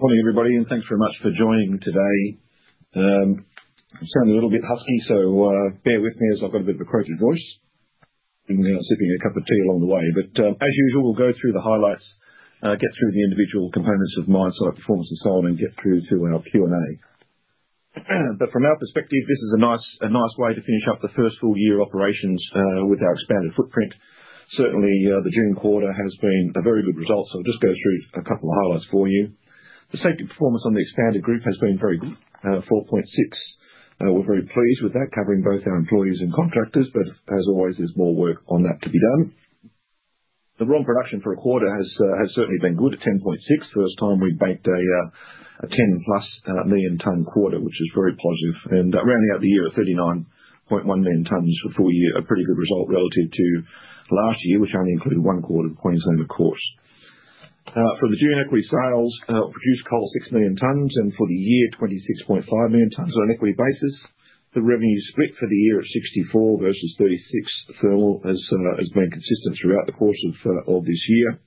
Morning, everybody, and thanks very much for joining today. I'm sounding a little bit husky, so bear with me as I've got a bit of a croaky voice. I'm sipping a cup of tea along the way. But as usual, we'll go through the highlights, get through the individual components of our solid performance and so on, and get through to our Q&A. But from our perspective, this is a nice way to finish up the first full year of operations with our expanded footprint. Certainly, the June quarter has been a very good result, so I'll just go through a couple of highlights for you. The safety performance on the expanded group has been very good, 4.6. We're very pleased with that, covering both our employees and contractors, but as always, there's more work on that to be done. The ROM production for a quarter has certainly been good, 10.6, first time we booked a 10-plus million-ton quarter, which is very positive. Rounding out the year at 39.1 million tons for full year, a pretty good result relative to last year, which only included one quarter of Queensland of course. For the June equity sales produced coal 6 million tons, and for the year, 26.5 million tons on an equity basis. The revenue split for the year at 64% versus 36% thermal has been consistent throughout the course of this year.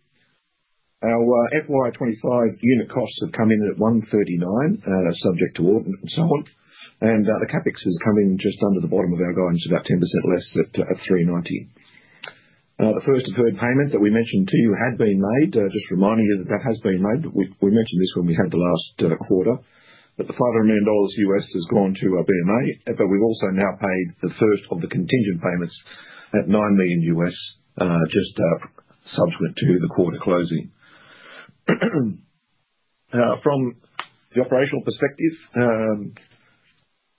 Our FY25 unit costs have come in at 139, subject to audit and so on. The CapEx has come in just under the bottom of our guidance, about 10% less at 390 million. The first deferred payment that we mentioned to you had been made, just reminding you that that has been made. We mentioned this when we had the last quarter, that the $500 million has gone to BMA, but we've also now paid the first of the contingent payments at $9 million, just subsequent to the quarter closing. From the operational perspective,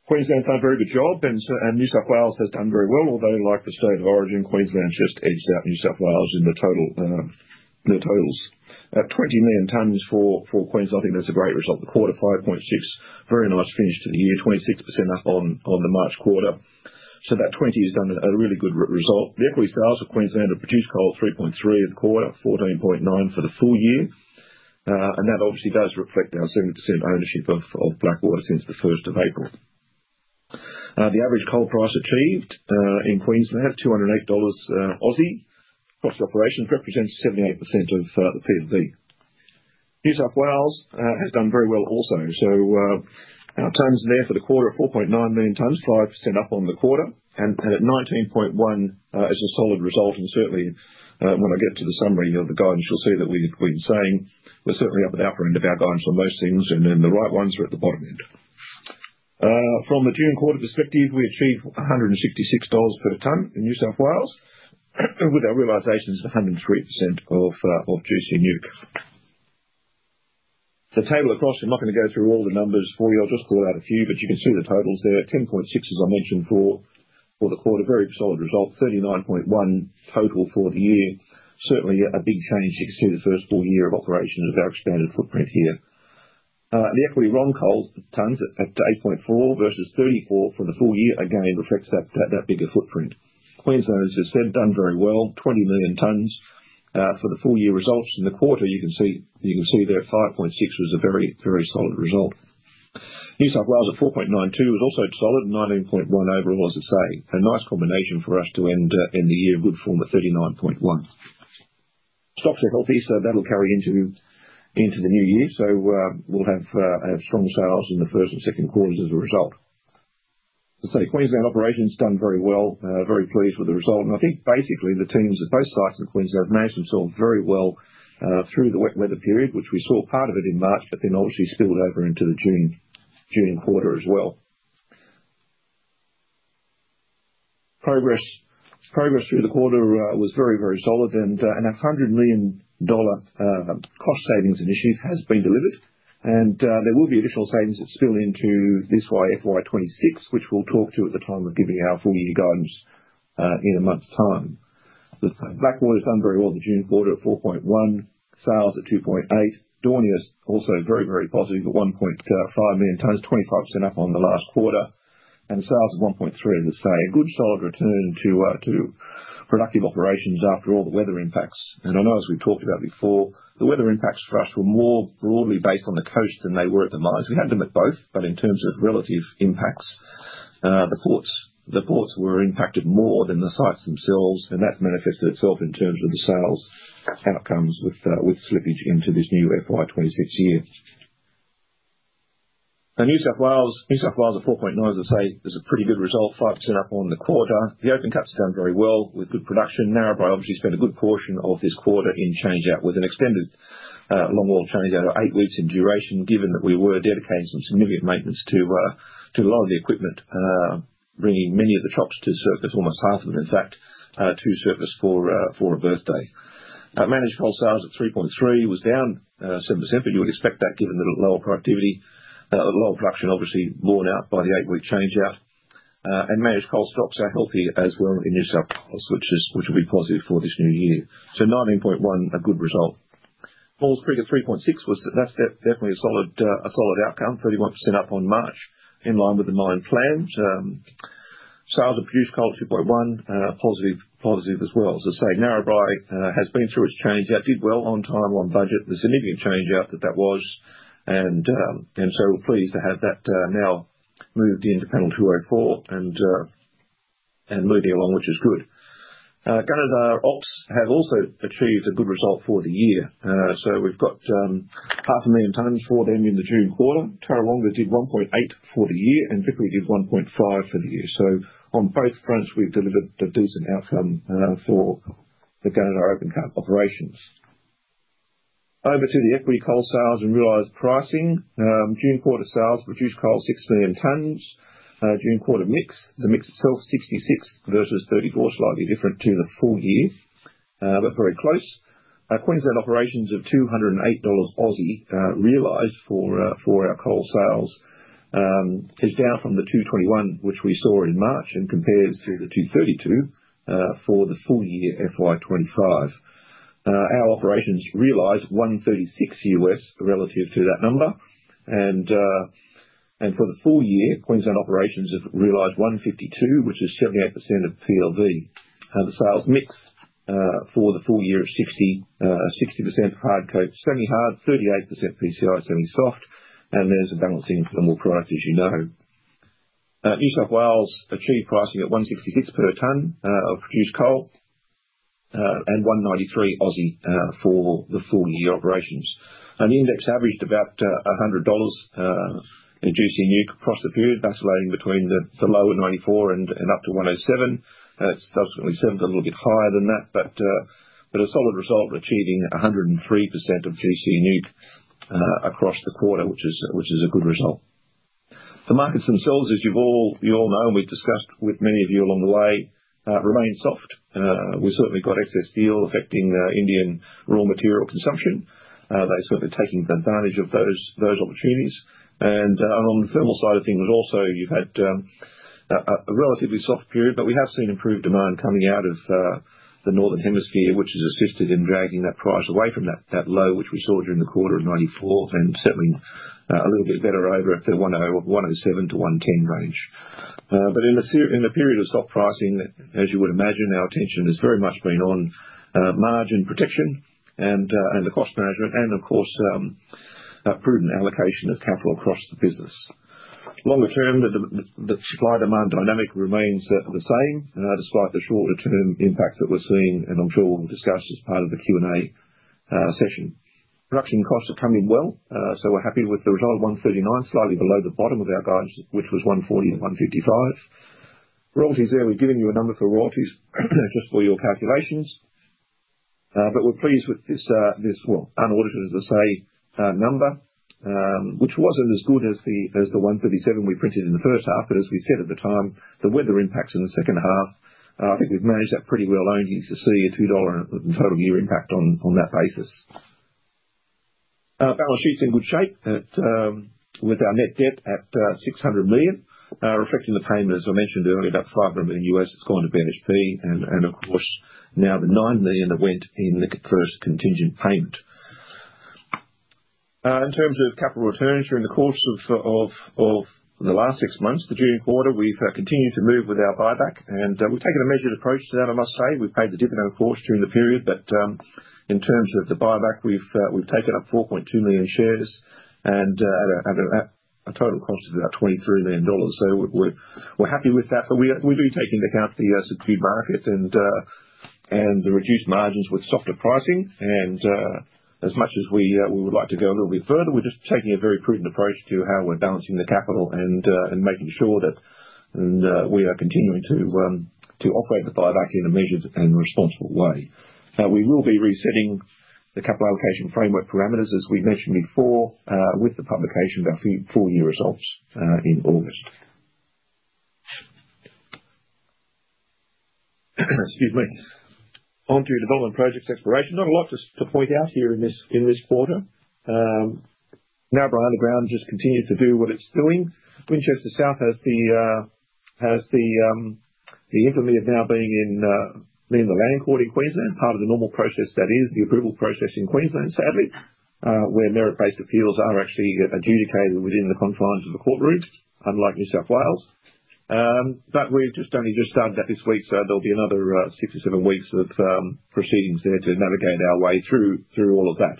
Queensland's done a very good job, and New South Wales has done very well, although like the State of Origin, Queensland just edged out New South Wales in the totals. At 20 million tons for Queensland, I think that's a great result. The quarter 5.6, very nice finish to the year, 26% up on the March quarter. So that 20 has done a really good result. The equity sales of Queensland have produced coal 3.3 of the quarter, 14.9 for the full year. And that obviously does reflect our 70% ownership of Blackwater since the 1st of April. The average coal price achieved in Queensland is 208 Aussie dollars. Cost of operations represents 78% of the PLV. New South Wales has done very well also, so our tons there for the quarter are 4.9 million tons, 5% up on the quarter, and at 19.1 as a solid result, and certainly, when I get to the summary of the guidance, you'll see that we've been saying we're certainly up at the upper end of our guidance on most things, and then the ROM ones are at the bottom end. From the June quarter perspective, we achieved 166 dollars per tonne in New South Wales, with our realizations at 103% of gC NEWC. The table across, I'm not going to go through all the numbers for you, I'll just pull out a few, but you can see the totals there. 10.6, as I mentioned, for the quarter, very solid result, 39.1 total for the year. Certainly a big change, you can see the first full year of operations of our expanded footprint here. The equity ROM coal tons at 8.4 versus 34 for the full year, again, reflects that bigger footprint. Queensland, as I said, done very well, 20 million tons for the full year results. In the quarter, you can see there 5.6 was a very, very solid result. New South Wales at 4.92 was also solid, 19.1 overall, as I say, a nice combination for us to end the year in good form at 39.1. Stocks are healthy, so that'll carry into the new year, so we'll have strong sales in the first and second quarters as a result. I'd say Queensland operations done very well, very pleased with the result. I think basically the teams at both sites in Queensland have managed themselves very well through the wet weather period, which we saw part of it in March, but then obviously spilled over into the June quarter as well. Progress through the quarter was very, very solid, and a $100 million cost savings initiative has been delivered. There will be additional savings that spill into this FY26, which we'll talk to at the time of giving our full year guidance in a month's time. Blackwater has done very well in the June quarter at 4.1, sales at 2.8, Daunia also very, very positive at 1.5 million tons, 25% up on the last quarter, and sales at 1.3, as I say, a good solid return to productive operations after all the weather impacts. And I know as we've talked about before, the weather impacts for us were more broadly based on the coast than they were at the mines. We had them at both, but in terms of relative impacts, the ports were impacted more than the sites themselves, and that's manifested itself in terms of the sales outcomes with slippage into this new FY26 year. New South Wales at 4.9, as I say, is a pretty good result, 5% up on the quarter. The open cuts have done very well with good production. Narrabri obviously spent a good portion of this quarter in changeout with an extended longwall changeout of eight weeks in duration, given that we were dedicating some significant maintenance to a lot of the equipment, bringing many of the trucks to surface, almost half of them, in fact, to surface for a birthday. Managed coal sales at 3.3 was down 7%, but you would expect that given the lower productivity, the lower production obviously borne out by the eight-week changeout. Managed coal stocks are healthy as well in New South Wales, which will be positive for this new year. 19.1, a good result. Maules Creek at 3.6 was that that's definitely a solid outcome, 31% up on March, in line with the nine planned. Sales of produced coal at 2.1, positive as well. As I say, Narrabri has been through its changeout, did well on time, on budget, the significant changeout that that was. We're pleased to have that now moved into panel 204 and moving along, which is good. Gunnedah operations have also achieved a good result for the year. We've got 500,000 tons for them in the June quarter. Tarawonga did 1.8 for the year, and Vickery did 1.5 for the year. So on both fronts, we've delivered a decent outcome for the Gunnedah open cut operations. Over to the export coal sales and realized pricing. June quarter sales produced coal 6 million tons. June quarter mix, the mix itself, 66 versus 34, slightly different to the full year, but very close. Queensland operations of 208 Aussie dollars realized for our coal sales is down from the 221, which we saw in March, and compares to the 232 for the full year FY25. Our operations realized $136 relative to that number. And for the full year, Queensland operations have realized 152, which is 78% of PLV. The sales mix for the full year is 60% hard coking, semi-hard, 38% PCI, semi-soft, and there's a balancing for the thermal product, as you know. New South Wales achieved pricing at 166 per tonne of produced coal and 193 for the full year operations. The index averaged about $100 in gC NEWC across the period, oscillating between the low at 94 and up to 107. It subsequently went a little bit higher than that, but a solid result achieving 103% of gC NEWC across the quarter, which is a good result. The markets themselves, as you all know, and we've discussed with many of you along the way, remain soft. We've certainly got excess steel affecting Indian raw material consumption. They're certainly taking advantage of those opportunities. On the thermal side of things also, you've had a relatively soft period, but we have seen improved demand coming out of the northern hemisphere, which has assisted in dragging that price away from that low, which we saw during the quarter of $94, and certainly a little bit better over at the $107-$110 range. But in a period of soft pricing, as you would imagine, our attention has very much been on margin protection and the cost management, and of course, prudent allocation of capital across the business. Longer term, the supply-demand dynamic remains the same, despite the shorter-term impact that we're seeing, and I'm sure we'll discuss as part of the Q&A session. Production costs are coming well, so we're happy with the result of 139, slightly below the bottom of our guidance, which was AUD140-AUD155. Royalties there. We've given you a number for royalties just for your calculations, but we're pleased with this well unaudited, as I say, number, which wasn't as good as the 137 we printed in the first half, but as we said at the time, the weather impacts in the second half. I think we've managed that pretty well only to see a $2 total year impact on that basis. Balance sheet's in good shape with our net debt at 600 million, reflecting the payment, as I mentioned earlier, about $500 million US that's gone to BHP, and of course, now the 9 million that went in the first contingent payment. In terms of capital returns during the course of the last six months, the June quarter, we've continued to move with our buyback, and we've taken a measured approach to that, I must say. We've paid the dividend, of course, during the period, but in terms of the buyback, we've taken up 4.2 million shares and at a total cost of about 23 million dollars. So we're happy with that, but we do take into account the key market and the reduced margins with softer pricing. And as much as we would like to go a little bit further, we're just taking a very prudent approach to how we're balancing the capital and making sure that we are continuing to operate the buyback in a measured and responsible way. Now, we will be resetting the capital allocation framework parameters, as we mentioned before, with the publication of our full year results in August. Excuse me. Onto development projects exploration, not a lot to point out here in this quarter. Narrabri underground just continues to do what it's doing. Winchester South has the infamy of now being in the Land Court in Queensland, part of the normal process that is the approval process in Queensland, sadly, where merit-based appeals are actually adjudicated within the confines of the courtroom, unlike New South Wales. But we've just only just started that this week, so there'll be another six or seven weeks of proceedings there to navigate our way through all of that.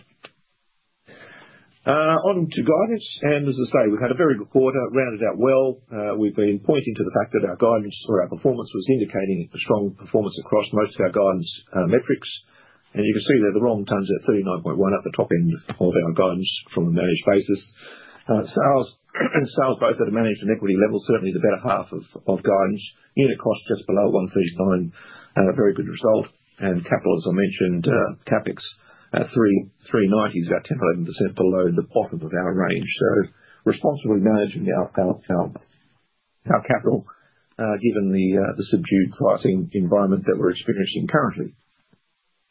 On to guidance, and as I say, we've had a very good quarter, rounded out well. We've been pointing to the fact that our guidance or our performance was indicating a strong performance across most of our guidance metrics. And you can see there the ROM tons at 39.1 at the top end of our guidance from a managed basis. Sales both at a managed and equity level, certainly the better half of guidance, unit cost just below 139, a very good result. And capital, as I mentioned, CapEx at 390 is about 10% or 11% below the bottom of our range. So responsibly managing our capital, given the subdued pricing environment that we're experiencing currently.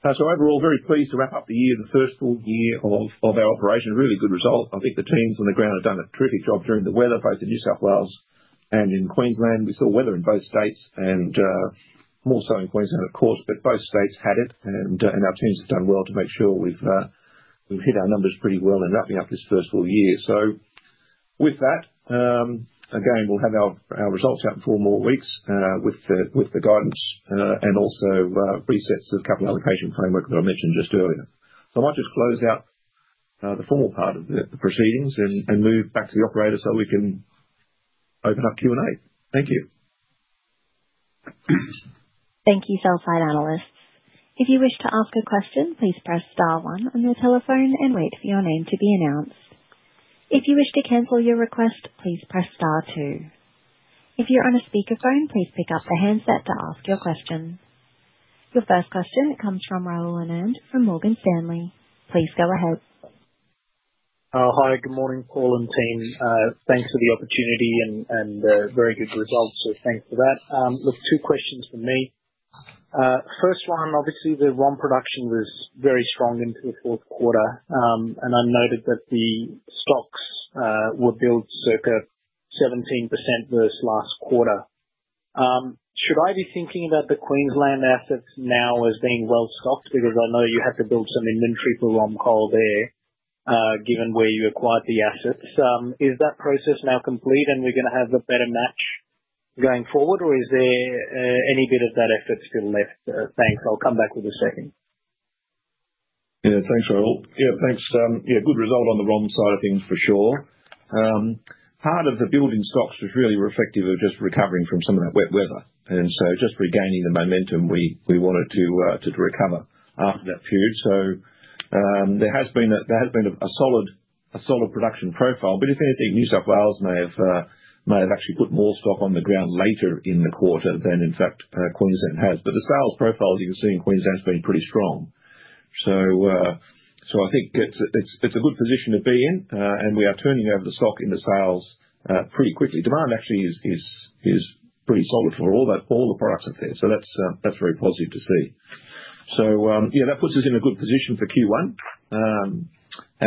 So overall, very pleased to wrap up the year, the first full year of our operation, really good result. I think the teams on the ground have done a terrific job during the weather, both in New South Wales and in Queensland. We saw weather in both states and more so in Queensland, of course, but both states had it, and our teams have done well to make sure we've hit our numbers pretty well in wrapping up this first full year. So with that, again, we'll have our results out in four more weeks with the guidance and also resets of capital allocation framework that I mentioned just earlier. So I might just close out the formal part of the proceedings and move back to the operator so we can open up Q&A. Thank you. Thank you, sell-side analysts. If you wish to ask a question, please press star one on your telephone and wait for your name to be announced. If you wish to cancel your request, please press star two. If you're on a speakerphone, please pick up the handset to ask your question. Your first question comes from Rahul Anand from Morgan Stanley. Please go ahead. Hi, good morning, Paul and team. Thanks for the opportunity and very good results, so thanks for that. Look, two questions for me. First one, obviously the ROM production was very strong into the fourth quarter, and I noted that the stocks were built circa 17% versus last quarter. Should I be thinking about the Queensland assets now as being well stocked? Because I know you had to build some inventory for ROM coal there, given where you acquired the assets. Is that process now complete and we're going to have a better match going forward, or is there any bit of that effort still left? Thanks. I'll come back with a second. Yeah, thanks, Rahul. Yeah, thanks. Yeah, good result on the ROM side of things for sure. Part of the building stocks was really reflective of just recovering from some of that wet weather, and so just regaining the momentum we wanted to recover after that period. So there has been a solid production profile, but if anything, New South Wales may have actually put more stock on the ground later in the quarter than, in fact, Queensland has. But the sales profile, as you can see in Queensland, has been pretty strong. So I think it's a good position to be in, and we are turning over the stock into sales pretty quickly. Demand actually is pretty solid for all the products up there, so that's very positive to see. So yeah, that puts us in a good position for Q1,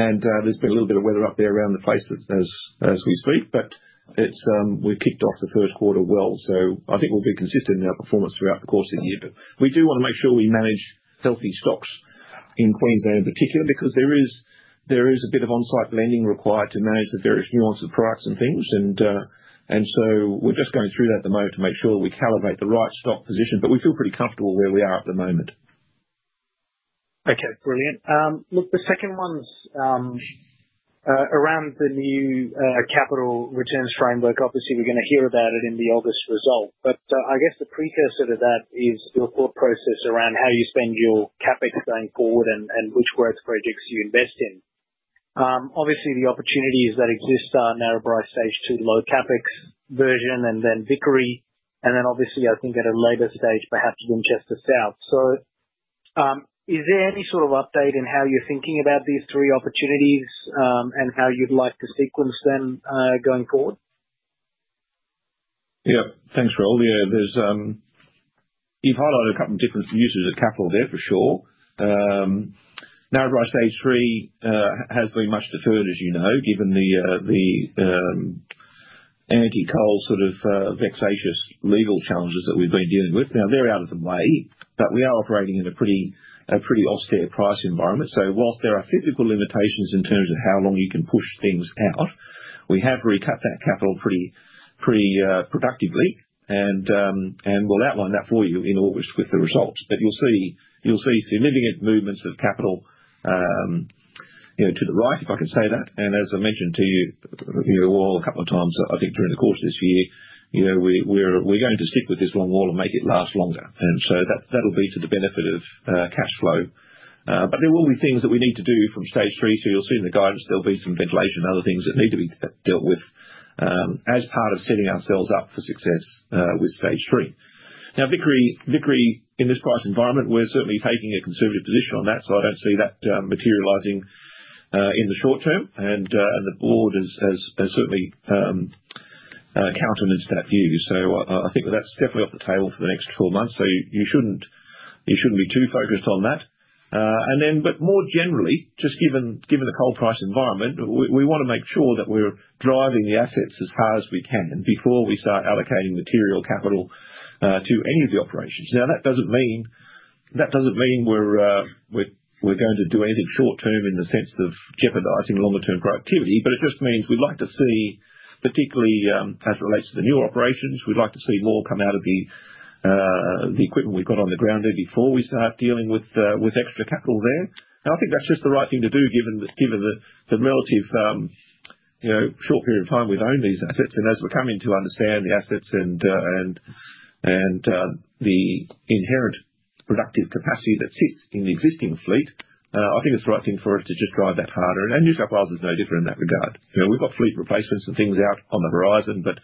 and there's been a little bit of weather up there around the place as we speak, but we've kicked off the first quarter well, so I think we'll be consistent in our performance throughout the course of the year. But we do want to make sure we manage healthy stocks in Queensland in particular because there is a bit of on-site lending required to manage the various nuances of products and things, and so we're just going through that at the moment to make sure that we calibrate the right stock position, but we feel pretty comfortable where we are at the moment. Okay, brilliant. Look, the second one's around the new capital returns framework. Obviously, we're going to hear about it in the August result, but I guess the precursor to that is your thought process around how you spend your CapEx going forward and which growth projects you invest in. Obviously, the opportunities that exist are Narrabri Stage 3 low CapEx version and then Vickery, and then obviously, I think at a later stage, perhaps Winchester South. So is there any sort of update in how you're thinking about these three opportunities and how you'd like to sequence them going forward? Yeah, thanks, Rahul. Yeah, you've highlighted a couple of different uses of capital there for sure. Narrabri Stage 3 has been much deferred, as you know, given the anti-coal sort of vexatious legal challenges that we've been dealing with. Now, they're out of the way, but we are operating in a pretty austere price environment. So whilst there are physical limitations in terms of how long you can push things out, we have recapped that capital pretty productively, and we'll outline that for you in August with the results. But you'll see significant movements of capital to the right, if I can say that. And as I mentioned to you all a couple of times, I think during the course of this year, we're going to stick with this longwall and make it last longer. And so that'll be to the benefit of cash flow. But there will be things that we need to do from Stage 3. So you'll see in the guidance there'll be some ventilation and other things that need to be dealt with as part of setting ourselves up for success with Stage 3. Now, Vickery, in this price environment, we're certainly taking a conservative position on that, so I don't see that materializing in the short term, and the board has certainly countered into that view. So I think that that's definitely off the table for the next four months, so you shouldn't be too focused on that. And then, but more generally, just given the coal price environment, we want to make sure that we're driving the assets as far as we can before we start allocating material capital to any of the operations. Now, that doesn't mean we're going to do anything short-term in the sense of jeopardizing longer-term productivity, but it just means we'd like to see, particularly as it relates to the new operations, we'd like to see more come out of the equipment we've got on the ground there before we start dealing with extra capital there. And I think that's just the right thing to do given the relative short period of time we've owned these assets. And as we're coming to understand the assets and the inherent productive capacity that sits in the existing fleet, I think it's the right thing for us to just drive that harder. And New South Wales is no different in that regard. We've got fleet replacements and things out on the horizon, but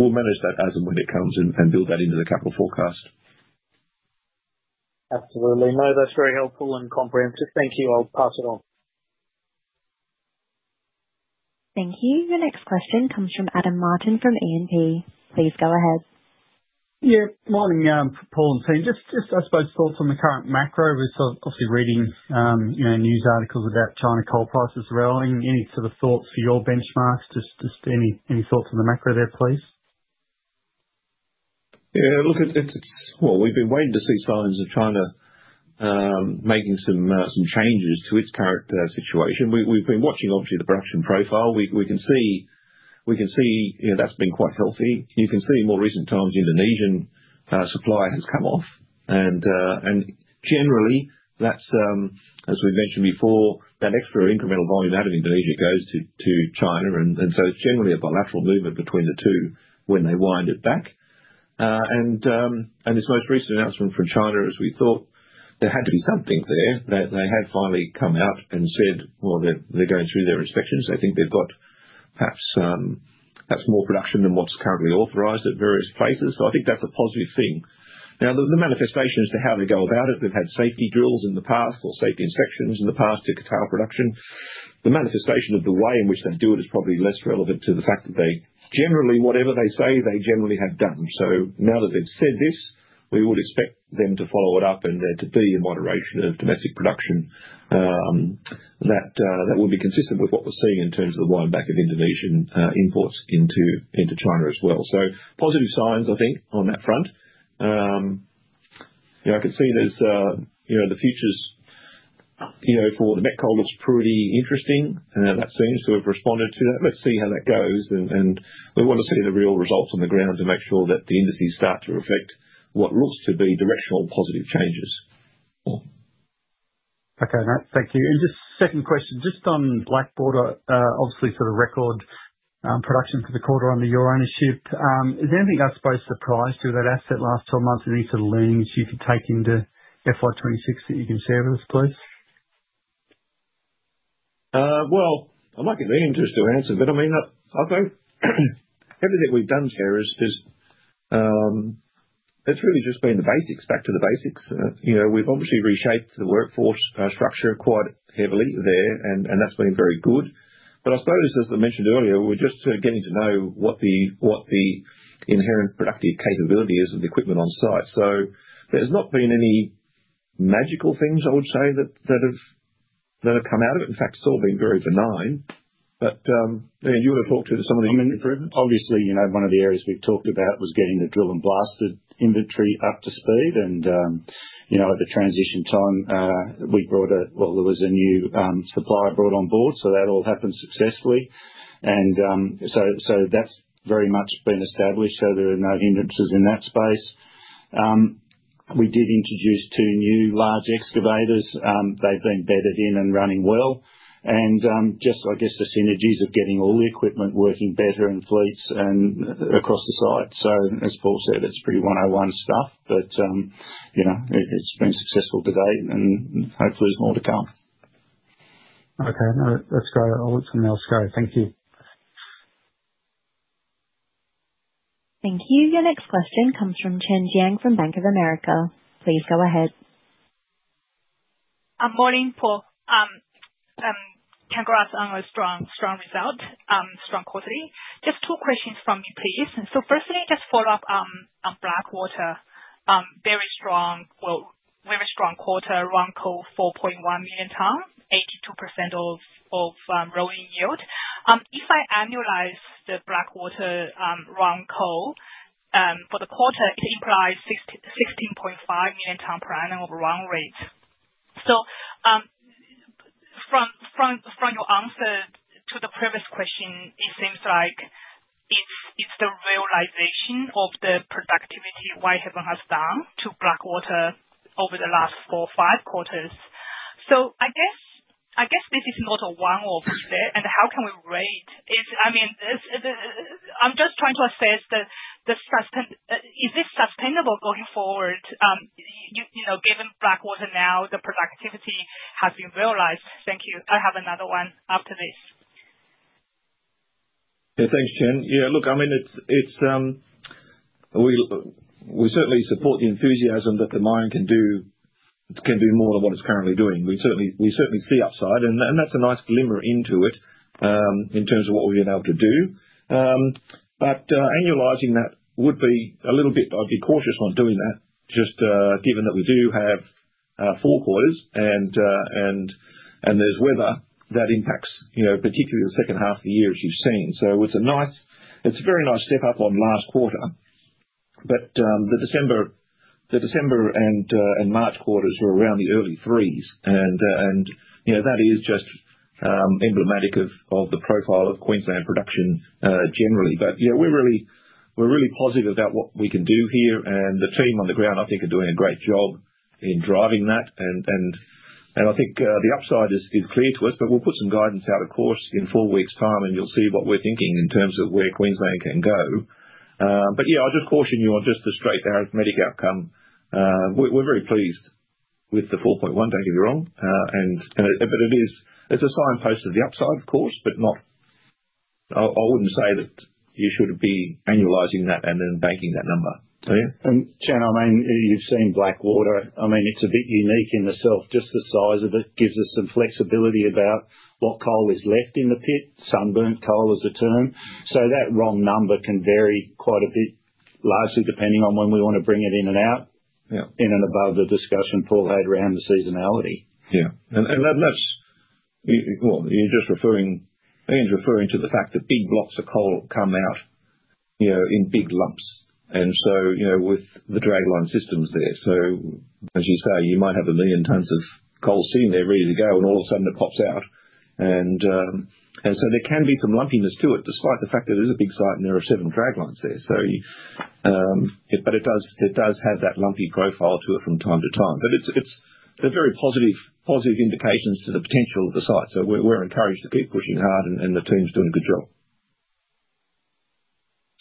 we'll manage that as and when it comes and build that into the capital forecast. Absolutely. No, that's very helpful and comprehensive. Thank you. I'll pass it on. Thank you. The next question comes from Adam Martin from E&P. Please go ahead. Yeah, morning, Paul and team. Just, I suppose, thoughts on the current macro. We're sort of obviously reading news articles about China coal prices rolling. Any sort of thoughts for your benchmarks? Just any thoughts on the macro there, please? Yeah, look. It's well. We've been waiting to see signs of China making some changes to its current situation. We've been watching, obviously, the production profile. We can see that's been quite healthy. You can see in more recent times Indonesian supply has come off. And generally, that's, as we've mentioned before, that extra incremental volume out of Indonesia goes to China. And so it's generally a bilateral movement between the two when they wind it back. And this most recent announcement from China, as we thought, there had to be something there. They had finally come out and said, well, they're going through their inspections. I think they've got perhaps more production than what's currently authorized at various places. So I think that's a positive thing. Now, the manifestations to how they go about it. They've had safety drills in the past or safety inspections in the past to curtail production. The manifestation of the way in which they do it is probably less relevant to the fact that they generally, whatever they say, they generally have done. So now that they've said this, we would expect them to follow it up and there to be a moderation of domestic production that would be consistent with what we're seeing in terms of the windback of Indonesian imports into China as well. So positive signs, I think, on that front. Yeah, I can see there's the futures for the met coal looks pretty interesting that soon, so we've responded to that. Let's see how that goes, and we want to see the real results on the ground to make sure that the indices start to reflect what looks to be directional positive changes. Okay, no, thank you. And just second question, just on Blackwater, obviously for the record, production for the quarter under your ownership, is there anything I suppose surprised you with that asset last 12 months in any sort of learnings you could take into FY26 that you can share with us, please? I'd like Ian to just answer, but I mean, I'll go. Everything we've done there has really just been the basics, back to the basics. We've obviously reshaped the workforce structure quite heavily there, and that's been very good. I suppose, as I mentioned earlier, we're just getting to know what the inherent productive capability is of the equipment on site. There's not been any magical things, I would say, that have come out of it. In fact, it's all been very benign. You would have talked to some of the unit improvements. Obviously, one of the areas we've talked about was getting the drill and blasted inventory up to speed. And at the transition time, we brought a new supplier on board, so that all happened successfully. So that's very much been established, so there are no hindrances in that space. We did introduce two new large excavators. They've been bedded in and running well. Just, I guess, the synergies of getting all the equipment working better in fleets and across the site. So as Paul said, it's pretty 101 stuff, but it's been successful to date, and hopefully there's more to come. Okay, no, that's great. I'll look for more scope. Thank you. Thank you. Your next question comes from Chen Jiang from Bank of America. Please go ahead. Morning, Paul. Congrats on a strong result, strong quantity. Just two questions from me, please. So firstly, just follow up on Blackwater. Very strong, well, very strong quarter, ROM coal, 4.1 million tonnes, 82% of ROM yield. If I annualize the Blackwater ROM coal for the quarter, it implies 16.5 million tonnes per annum of ROM rate. So from your answer to the previous question, it seems like it's the realization of the productivity Whitehaven has done to Blackwater over the last four or five quarters. So I guess this is not a one-off there, and how can we rate? I mean, I'm just trying to assess the, is this sustainable going forward, given Blackwater now the productivity has been realized? Thank you. I have another one after this. Yeah, thanks, Chen. Yeah, look, I mean, we certainly support the enthusiasm that the mine can do, can do more than what it's currently doing. We certainly see upside, and that's a nice glimmer into it in terms of what we've been able to do. But annualizing that would be a little bit. I'd be cautious on doing that, just given that we do have four quarters, and there's weather that impacts particularly the second half of the year as you've seen. So it's a nice, it's a very nice step up on last quarter, but the December and March quarters were around the early threes, and that is just emblematic of the profile of Queensland production generally. But yeah, we're really positive about what we can do here, and the team on the ground, I think, are doing a great job in driving that. I think the upside is clear to us, but we'll put some guidance out, of course, in four weeks' time, and you'll see what we're thinking in terms of where Queensland can go. Yeah, I'll just caution you on just the straight arithmetic outcome. We're very pleased with the 4.1, don't get me wrong, but it's a signpost of the upside, of course, but I wouldn't say that you should be annualizing that and then banking that number. So yeah. Chen, I mean, you've seen Blackwater. I mean, it's a bit unique in itself. Just the size of it gives us some flexibility about what coal is left in the pit, sunburnt coal is the term. So that ROM number can vary quite a bit, largely depending on when we want to bring it in and out, and above the discussion Paul had around the seasonality. Yeah. That's, well, you're just referring. Ian's referring to the fact that big blocks of coal come out in big lumps, and so with the dragline systems there, so as you say, you might have a million tons of coal sitting there ready to go, and all of a sudden it pops out, and so there can be some lumpiness to it, despite the fact that it is a big site and there are seven draglines there, but it does have that lumpy profile to it from time to time. They're very positive indications to the potential of the site, so we're encouraged to keep pushing hard, and the team's doing a good job.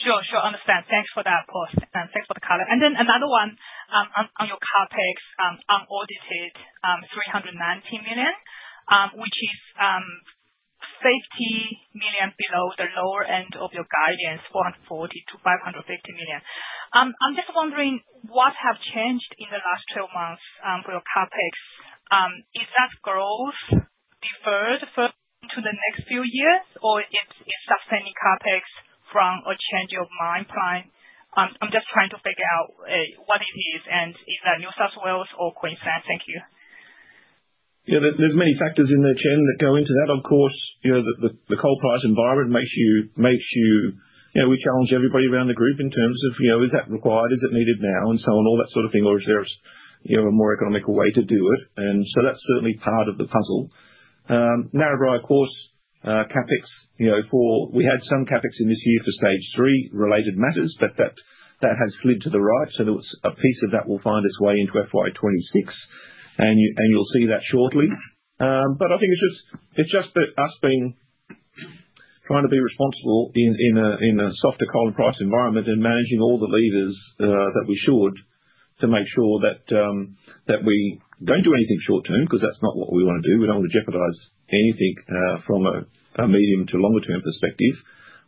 Sure, sure. I understand. Thanks for that, Paul. Thanks for the color. And then another one on your CapEx, unaudited 390 million, which is 50 million below the lower end of your guidance, 440-550 million. I'm just wondering what has changed in the last 12 months for your CapEx. Is that growth deferred to the next few years, or is it sustaining CapEx from a change in mine plan? I'm just trying to figure out what it is, and is that New South Wales or Queensland? Thank you. Yeah, there's many factors in there, Chen, that go into that. Of course, the coal price environment makes you, we challenge everybody around the group in terms of, is that required, is it needed now, and so on, all that sort of thing, or is there a more economical way to do it? And so that's certainly part of the puzzle. Narrabri, of course, CapEx, we had some CapEx in this year for Stage 3 related matters, but that has slid to the right. So a piece of that will find its way into FY26, and you'll see that shortly. But I think it's just us trying to be responsible in a softer coal price environment and managing all the levers that we should to make sure that we don't do anything short-term because that's not what we want to do. We don't want to jeopardize anything from a medium to longer-term perspective.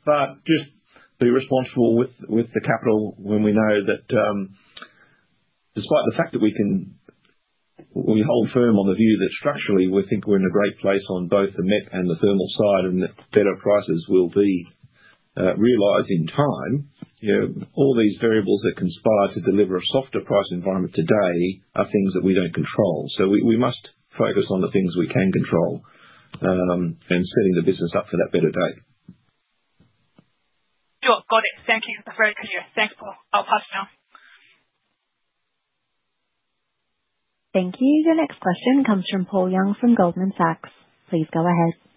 But just be responsible with the capital when we know that despite the fact that we hold firm on the view that structurally we think we're in a great place on both the met and the thermal side, and that better prices will be realized in time, all these variables that conspire to deliver a softer price environment today are things that we don't control. So we must focus on the things we can control and setting the business up for that better day. Sure. Got it. Thank you. That's very clear. Thanks, Paul. I'll pass it now. Thank you. Your next question comes from Paul Young from Goldman Sachs. Please go ahead.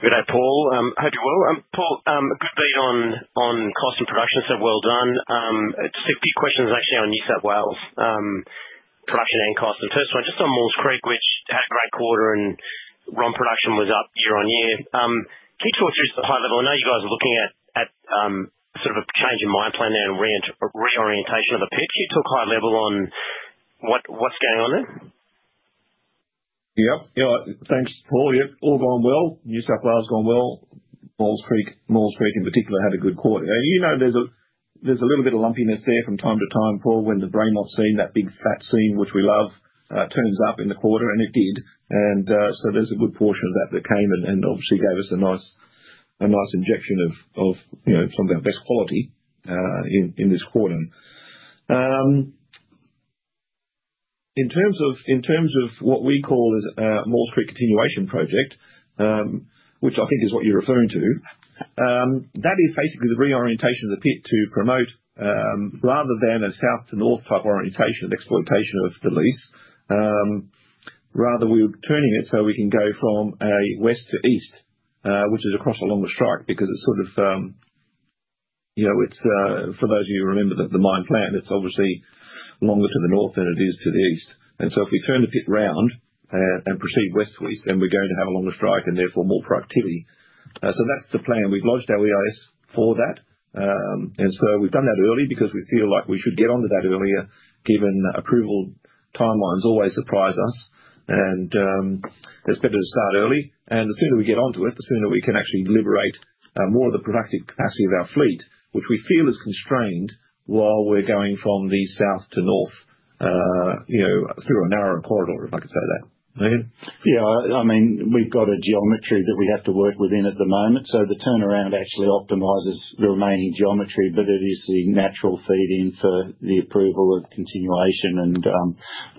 Good day, Paul. Hope you're well. Paul, a good beat on cost and production, so well done. Just a few questions actually on New South Wales production and cost. The first one, just on Maules Creek, which had a great quarter and ROM production was up year on year. Can you talk to us at a high level? I know you guys are looking at sort of a change in mine plan there and reorientation of the pitch. Can you talk high level on what's going on there? Yep. Yeah, thanks, Paul. All gone well. New South Wales gone well. Maules Creek, in particular, had a good quarter. And there's a little bit of lumpiness there from time to time, Paul, when the Braymont Seam, that big fat seam, which we love, turns up in the quarter, and it did. And so there's a good portion of that that came and obviously gave us a nice injection of some of our best quality in this quarter. In terms of what we call a Maules Creek Continuation Project, which I think is what you're referring to, that is basically the reorientation of the pit to promote, rather than a south to north type orientation of exploitation of the lease. Rather, we're turning it so we can go from a west to east, which is across a longer strike because it's sort of, for those of you who remember the mine plan, it's obviously longer to the north than it is to the east. And so if we turn the pit round and proceed west to east, then we're going to have a longer strike and therefore more productivity. So that's the plan. We've lodged our EIS for that. And so we've done that early because we feel like we should get onto that earlier, given approval timelines always surprise us. And it's better to start early. And the sooner we get onto it, the sooner we can actually liberate more of the productive capacity of our fleet, which we feel is constrained while we're going from the south to north through a narrower corridor, if I can say that. Again? Yeah. I mean, we've got a geometry that we have to work within at the moment. So the turnaround actually optimizes the remaining geometry, but it is the natural feed-in for the approval of continuation, and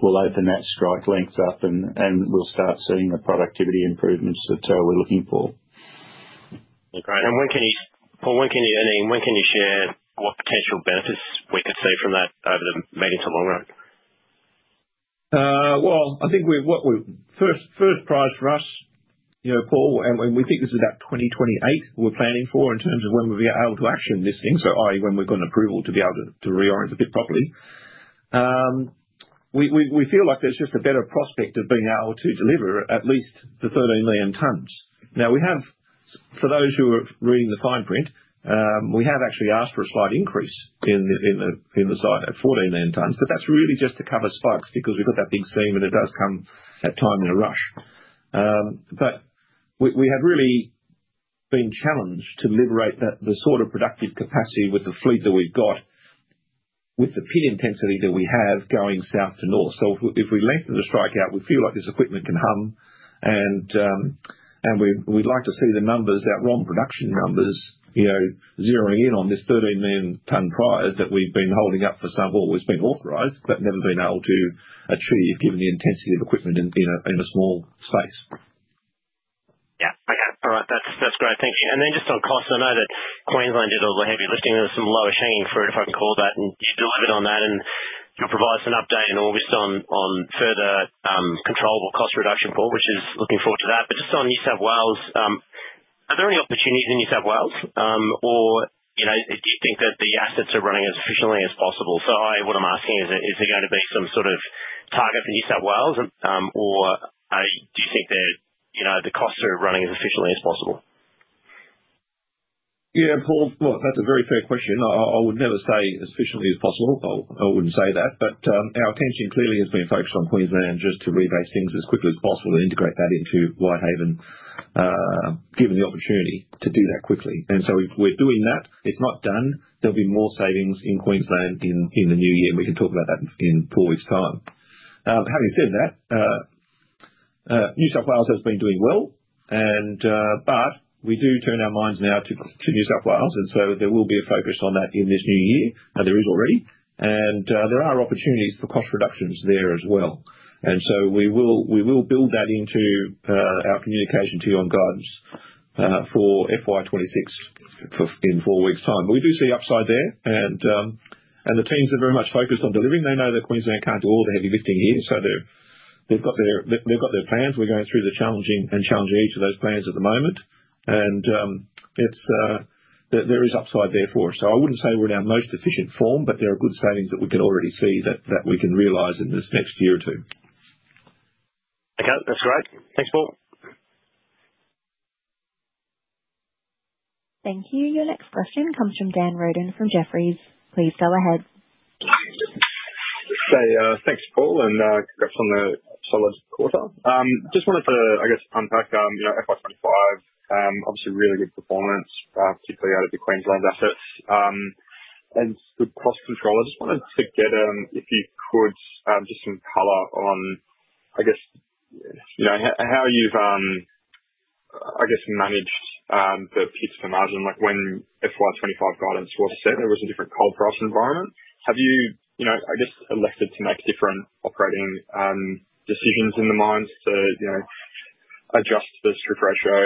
we'll open that strike length up, and we'll start seeing the productivity improvements that we're looking for. Great, and when can you, Paul, Ian, share what potential benefits we could see from that over the medium to long run? I think what we've first prioritized for us, Paul, and we think this is about 2028 we're planning for in terms of when we'll be able to action this thing, so i.e., when we've got an approval to be able to reorient the pit properly. We feel like there's just a better prospect of being able to deliver at least the 13 million tons. Now, for those who are reading the fine print, we have actually asked for a slight increase in the size to 14 million tons, but that's really just to cover spikes because we've got that big seam, and it does come at times in a rush. But we have really been challenged to liberate the sort of productive capacity with the fleet that we've got, with the pit intensity that we have going south to north. So if we lengthen the longwall, we feel like this equipment can hum, and we'd like to see the numbers, that ROM production numbers, zeroing in on this 13 million ton prize that we've been holding up for some, or we've been authorized, but never been able to achieve given the intensity of equipment in a small space. Yeah. I get it. All right. That's great. Thank you. And then just on cost, I know that Queensland did all the heavy lifting. There was some low-hanging fruit for it, if I can call that, and you delivered on that, and you'll provide us an update in August on further controllable cost reduction, Paul, which I'm looking forward to. But just on New South Wales, are there any opportunities in New South Wales, or do you think that the assets are running as efficiently as possible? So what I'm asking is, is there going to be some sort of target for New South Wales, or do you think the costs are running as efficiently as possible? Yeah, Paul, that's a very fair question. I would never say as efficiently as possible. I wouldn't say that. But our attention clearly has been focused on Queensland just to rebase things as quickly as possible and integrate that into Whitehaven, given the opportunity to do that quickly. And so we're doing that. It's not done. There'll be more savings in Queensland in the new year, and we can talk about that in four weeks' time. Having said that, New South Wales has been doing well, but we do turn our minds now to New South Wales, and so there will be a focus on that in this new year, and there is already. And there are opportunities for cost reductions there as well. And so we will build that into our communication to you on guidance for FY26 in four weeks' time. But we do see upside there, and the teams are very much focused on delivering. They know that Queensland can't do all the heavy lifting here, so they've got their plans. We're going through and challenging each of those plans at the moment, and there is upside there for us. So I wouldn't say we're in our most efficient form, but there are good savings that we can already see that we can realize in this next year or two. Okay. That's great. Thanks, Paul. Thank you. Your next question comes from Dan Roden from Jefferies. Please go ahead. Thanks, Paul, and congrats on the solid quarter. Just wanted to, I guess, unpack FY25, obviously really good performance, particularly out of the Queensland assets, and good cost control. I just wanted to get, if you could, just some color on, I guess, how you've, I guess, managed the pit to margin. When FY25 guidance was set, there was a different coal price environment. Have you, I guess, elected to make different operating decisions in the mines to adjust the strip ratio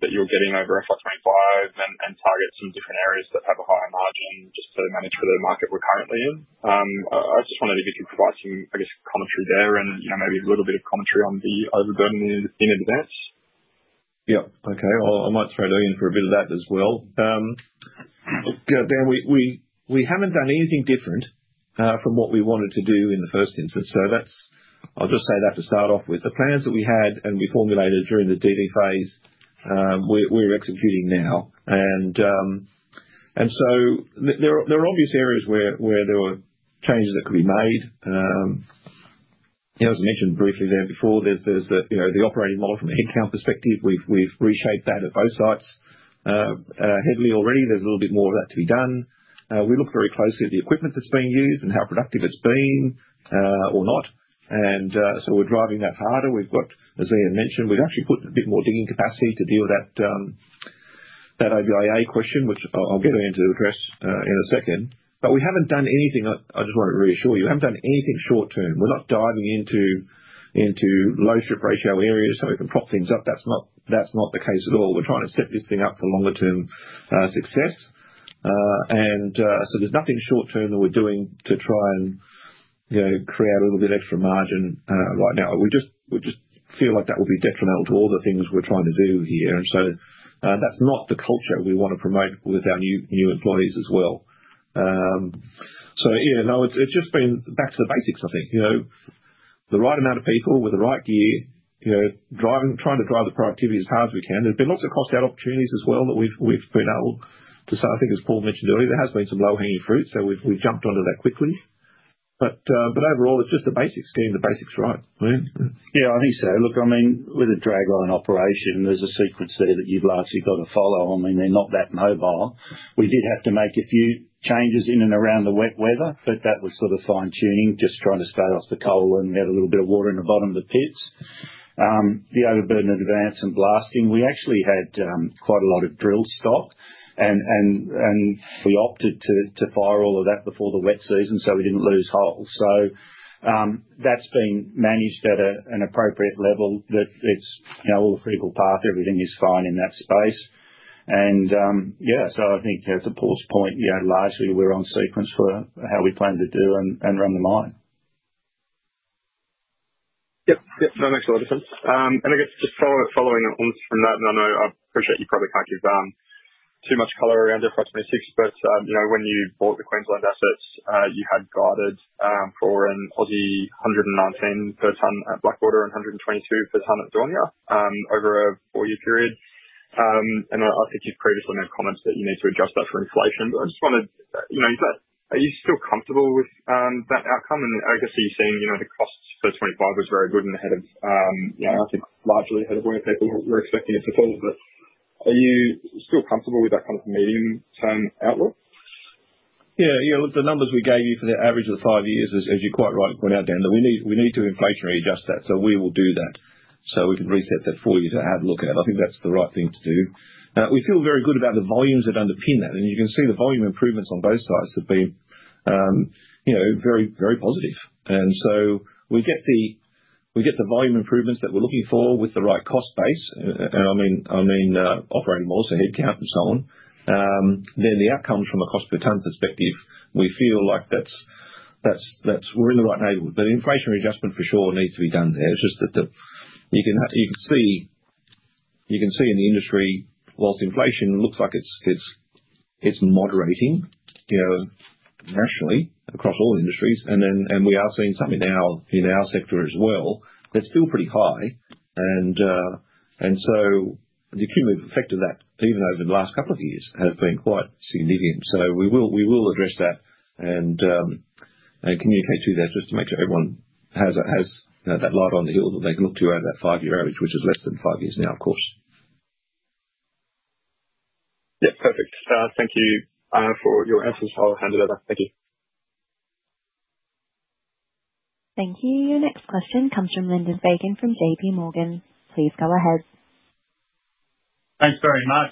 that you're getting over FY25 and target some different areas that have a higher margin just to manage for the market we're currently in? I just wondered if you could provide some, I guess, commentary there and maybe a little bit of commentary on the overburden in advance. Yeah. Okay. I might throw you in for a bit of that as well. Yeah, Dan, we haven't done anything different from what we wanted to do in the first instance. So I'll just say that to start off with. The plans that we had and we formulated during the dealing phase, we're executing now. And so there are obvious areas where there were changes that could be made. As I mentioned briefly there before, there's the operating model from the headcount perspective. We've reshaped that at both sites heavily already. There's a little bit more of that to be done. We look very closely at the equipment that's being used and how productive it's been or not. And so we're driving that harder. We've got, as Ian mentioned, we've actually put a bit more digging capacity to deal with that OBIA question, which I'll get Ian to address in a second, but we haven't done anything, I just want to reassure you, we haven't done anything short-term. We're not diving into low strip ratio areas so we can prop things up. That's not the case at all. We're trying to set this thing up for longer-term success, and so there's nothing short-term that we're doing to try and create a little bit of extra margin right now. We just feel like that would be detrimental to all the things we're trying to do here, and so that's not the culture we want to promote with our new employees as well, so yeah, no, it's just been back to the basics, I think. The right amount of people with the right gear, trying to drive the productivity as hard as we can. There's been lots of cost-out opportunities as well that we've been able to, I think, as Paul mentioned earlier, there has been some low-hanging fruit, so we've jumped onto that quickly, but overall, it's just the basics getting the basics right. I mean. Yeah, I think so. Look, I mean, with a dragline operation, there's a sequence there that you've largely got to follow. I mean, they're not that mobile. We did have to make a few changes in and around the wet weather, but that was sort of fine-tuning, just trying to stay off the coal and get a little bit of water in the bottom of the pits. The overburden advance and blasting, we actually had quite a lot of drill stock, and we opted to fire all of that before the wet season so we didn't lose holes. So that's been managed at an appropriate level that it's all the critical path, everything is fine in that space. And yeah, so I think, to Paul's point, largely we're on sequence for how we plan to do and run the mine. Yep. Yep. That makes a lot of sense. And I guess just following on from that, and I know I appreciate you probably can't give too much color around FY 2026, but when you bought the Queensland assets, you had guided for Aussie 119 per tonne at Blackwater and 122 per tonne at Daunia over a four-year period. And I think you've previously made comments that you need to adjust that for inflation. But I just wanted—you said—are you still comfortable with that outcome? And I guess you've seen the costs for 2025 was very good and ahead of, I think, largely ahead of where people were expecting it to fall. But are you still comfortable with that kind of medium-term outlook? Yeah. Yeah. Look, the numbers we gave you for the average of the five years is, as you're quite right in pointing out, Dan, that we need to inflationary adjust that. So we will do that so we can reset that for you to have a look at it. I think that's the right thing to do. We feel very good about the volumes that underpin that. And you can see the volume improvements on both sides have been very, very positive. And so we get the volume improvements that we're looking for with the right cost base. And I mean operating models and headcount and so on. Then the outcomes from a cost per tonne perspective, we feel like we're in the right neighborhood. But inflationary adjustment for sure needs to be done there. It's just that you can see in the industry, while inflation looks like it's moderating nationally across all industries, and we are seeing something in our sector as well that's still pretty high. And so the cumulative effect of that, even over the last couple of years, has been quite significant. So we will address that and communicate to that just to make sure everyone has that light on the hill that they can look to over that five-year average, which is less than five years now, of course. Yep. Perfect. Thank you for your answers. I'll hand it over. Thank you. Thank you. Your next question comes from Lyndon Fagan from J.P. Morgan. Please go ahead. Thanks very much.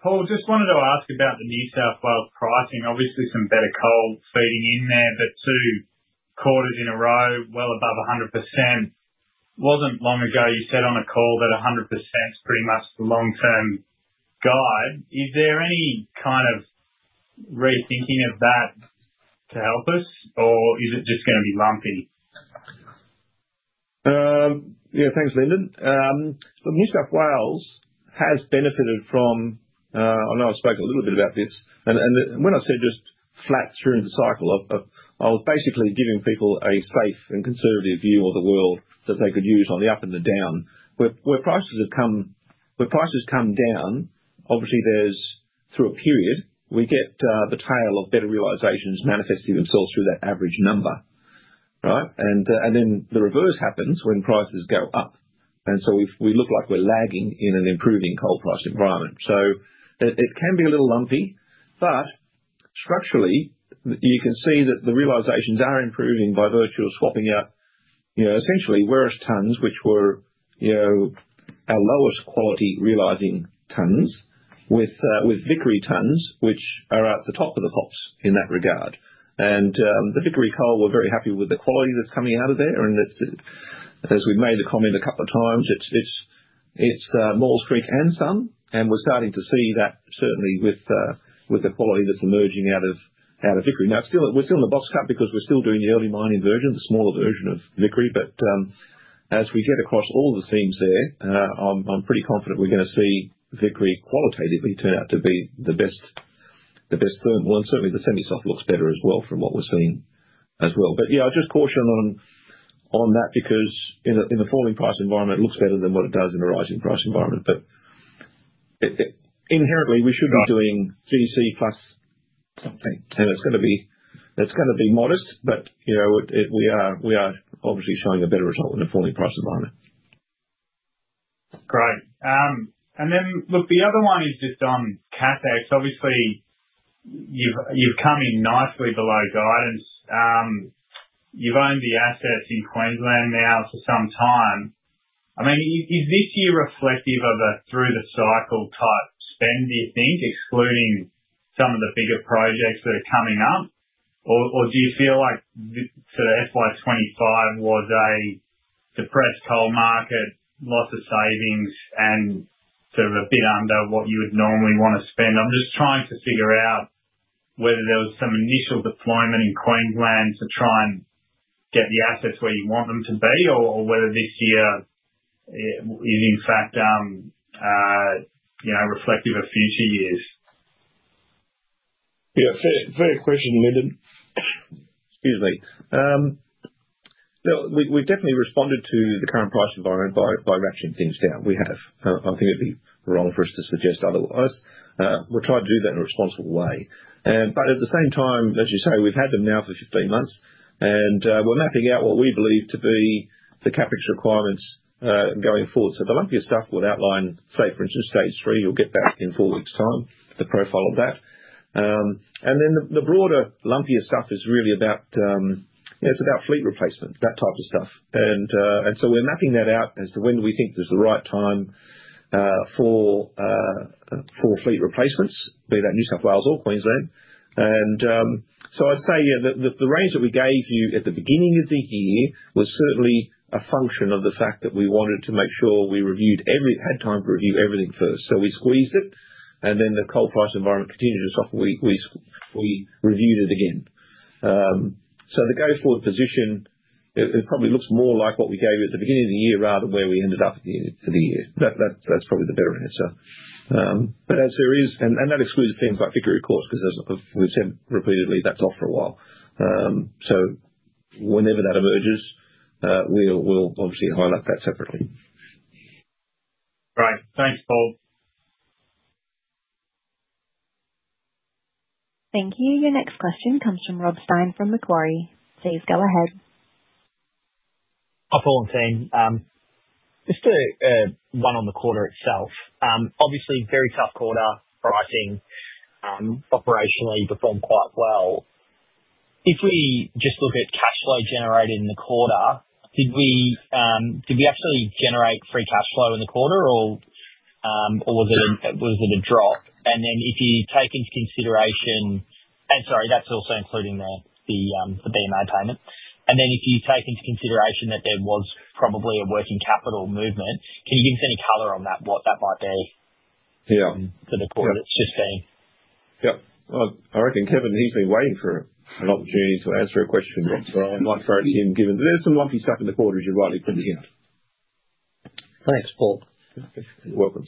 Paul, just wanted to ask about the New South Wales pricing. Obviously, some better coal feeding in there, but two quarters in a row, well above 100%. Wasn't long ago, you said on a call that 100% is pretty much the long-term guide. Is there any kind of rethinking of that to help us, or is it just going to be lumpy? Yeah. Thanks, Lyndon. So New South Wales has benefited from. I know I've spoke a little bit about this. And when I said just flat through the cycle, I was basically giving people a safe and conservative view of the world that they could use on the up and the down. Where prices have come down, obviously, through a period, we get the tail of better realizations manifesting themselves through that average number, right? And then the reverse happens when prices go up. And so we look like we're lagging in an improving coal price environment. So it can be a little lumpy, but structurally, you can see that the realizations are improving by virtue of swapping out essentially Werris tons, which were our lowest quality realizing tons, with Vickery tons, which are at the top of the pops in that regard. The Vickery coal, we're very happy with the quality that's coming out of there. As we've made the comment a couple of times, it's Maules Creek and some, and we're starting to see that certainly with the quality that's emerging out of Vickery. Now, we're still in the box cut because we're still doing the early mining version, the smaller version of Vickery. As we get across all the seams there, I'm pretty confident we're going to see Vickery qualitatively turn out to be the best fairway. Certainly, the semi-soft looks better as well from what we're seeing as well. Yeah, I'll just caution on that because in the falling price environment, it looks better than what it does in a rising price environment. Inherently, we should be doing GC plus something. It's going to be modest, but we are obviously showing a better result in the falling price environment. Great. And then, look, the other one is just on capex. Obviously, you've come in nicely below guidance. You've owned the assets in Queensland now for some time. I mean, is this year reflective of a through-the-cycle type spend, do you think, excluding some of the bigger projects that are coming up? Or do you feel like sort of FY25 was a depressed coal market, lots of savings, and sort of a bit under what you would normally want to spend? I'm just trying to figure out whether there was some initial deployment in Queensland to try and get the assets where you want them to be, or whether this year is, in fact, reflective of future years. Yeah. Fair question, Lyndon. Excuse me. Look, we've definitely responded to the current price environment by ratcheting things down. We have. I think it'd be wrong for us to suggest otherwise. We'll try to do that in a responsible way. But at the same time, as you say, we've had them now for 15 months, and we're mapping out what we believe to be the CapEx requirements going forward. So the lumpier stuff will outline, say, for instance, Stage 3. You'll get that in four weeks' time, the profile of that. And then the broader lumpier stuff is really about, yeah, it's about fleet replacement, that type of stuff. And so we're mapping that out as to when we think there's the right time for fleet replacements, be that New South Wales or Queensland. So I'd say the range that we gave you at the beginning of the year was certainly a function of the fact that we wanted to make sure we had time to review everything first. So we squeezed it, and then the coal price environment continued to soften. We reviewed it again. So the go-forward position, it probably looks more like what we gave you at the beginning of the year rather than where we ended up at the end of the year. That's probably the better answer. But as there is, and that excludes things like Vickery, of course, because we've said repeatedly that's off for a while. So whenever that emerges, we'll obviously highlight that separately. Great. Thanks, Paul. Thank you. Your next question comes from Rob Stein from Macquarie. Please go ahead. Hi, Paul and Team. Just the one on the quarter itself. Obviously, very tough quarter pricing. Operationally, you performed quite well. If we just look at cash flow generated in the quarter, did we actually generate free cash flow in the quarter, or was it a drop? And then if you take into consideration, and sorry, that's also including the BMA payment, and then if you take into consideration that there was probably a working capital movement, can you give us any color on that, what that might be for the quarter that's just been? Yeah. I reckon Kevin, he's been waiting for an opportunity to answer a question, but I might throw it to him, given there's some lumpy stuff in the quarter as you're rightly putting it here. Thanks, Paul. You're welcome.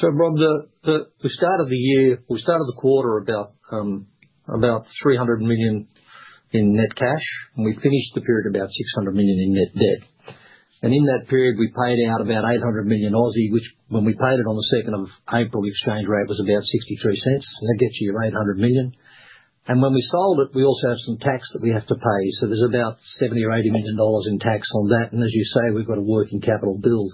So Rob, we started the quarter about 300 million in net cash, and we finished the period about 600 million in net debt. And in that period, we paid out about 800 million, which when we paid it on the 2nd of April, the exchange rate was about 63 cents. That gets you 800 million. And when we sold it, we also have some tax that we have to pay. So there's about $70-$80 million in tax on that. And as you say, we've got a working capital build.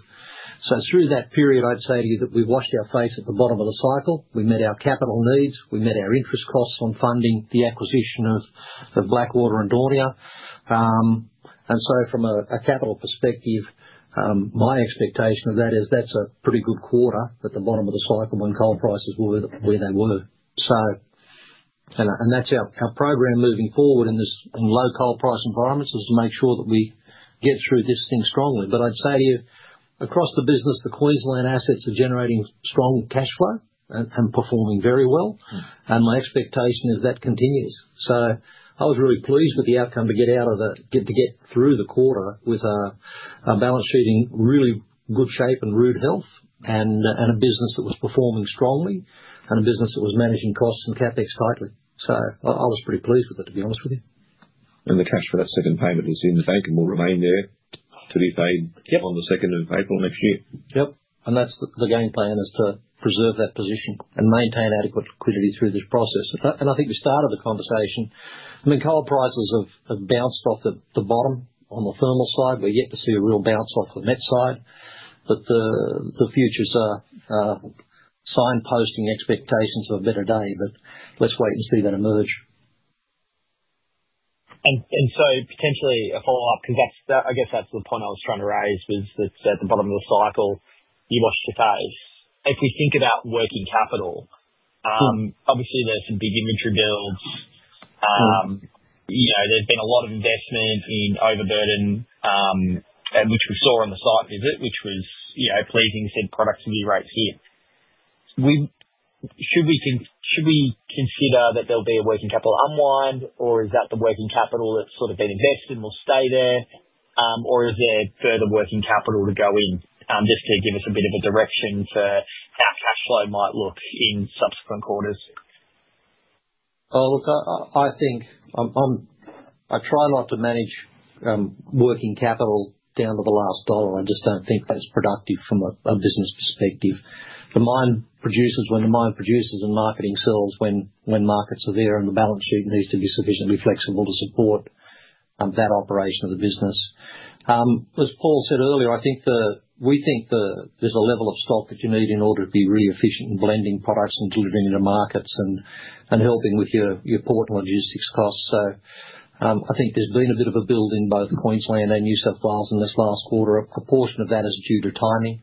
So through that period, I'd say to you that we washed our face at the bottom of the cycle. We met our capital needs. We met our interest costs on funding the acquisition of Blackwater and Daunia. And so from a capital perspective, my expectation of that is that's a pretty good quarter at the bottom of the cycle when coal prices were where they were. And that's our program moving forward in low coal price environments is to make sure that we get through this thing strongly. But I'd say to you, across the business, the Queensland assets are generating strong cash flow and performing very well. And my expectation is that continues. So I was really pleased with the outcome to get through the quarter with a balance sheet in really good shape and rude health and a business that was performing strongly and a business that was managing costs and CapEx tightly. So I was pretty pleased with it, to be honest with you. The cash for that second payment is in the bank and will remain there to be paid on the 2nd of April next year. Yep. And that's the game plan, is to preserve that position and maintain adequate liquidity through this process. And I think we started the conversation. I mean, coal prices have bounced off the bottom on the thermal side. We're yet to see a real bounce off the met side. But the futures are signposting expectations of a better day, but let's wait and see that emerge. And so, potentially a follow-up, because I guess that's the point I was trying to raise, was that at the bottom of the cycle, you washed your face. If we think about working capital, obviously, there's some big inventory builds. There's been a lot of investment in overburden, which we saw on the site visit, which was pleasing to see productivity rates here. Should we consider that there'll be a working capital unwind, or is that the working capital that's sort of been invested and will stay there, or is there further working capital to go in just to give us a bit of a direction for how cash flow might look in subsequent quarters? Look, I think I try not to manage working capital down to the last dollar. I just don't think that's productive from a business perspective. The mine produces when the mine produces and marketing sells when markets are there, and the balance sheet needs to be sufficiently flexible to support that operation of the business. As Paul said earlier, I think we think there's a level of stock that you need in order to be really efficient in blending products and delivering into markets and helping with your port and logistics costs. So I think there's been a bit of a build in both Queensland and New South Wales in this last quarter. A portion of that is due to timing.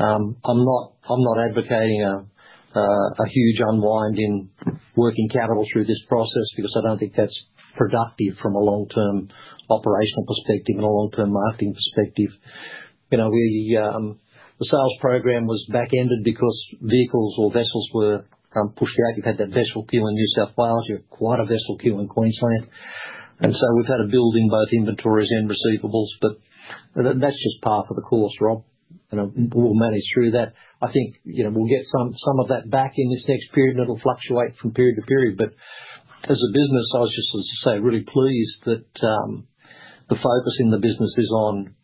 I'm not advocating a huge unwind in working capital through this process because I don't think that's productive from a long-term operational perspective and a long-term marketing perspective. The sales program was back-ended because vehicles or vessels were pushed out. You've had that vessel queue in New South Wales. You have quite a vessel queue in Queensland. And so we've had a build in both inventories and receivables, but that's just par for the course, Rob. We'll manage through that. I think we'll get some of that back in this next period, and it'll fluctuate from period to period. But as a business, I was just, as I say, really pleased that the focus in the business is on